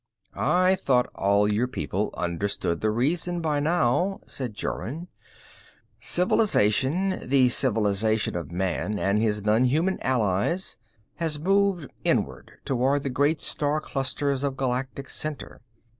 "I thought all your people understood the reason by now," said Jorun. "Civilization the civilization of man and his nonhuman allies has moved inward, toward the great star clusters of Galactic center.